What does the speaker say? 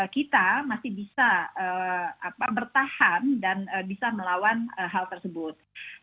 kita masih bisa bertahan dan bisa melawan hal tersebut